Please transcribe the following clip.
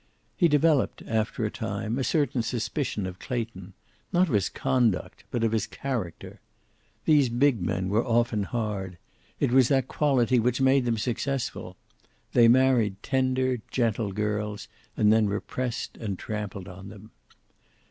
He developed, after a time, a certain suspicion of Clayton, not of his conduct but of his character. These big men were often hard. It was that quality which made them successful. They married tender, gentle girls, and then repressed and trampled on them.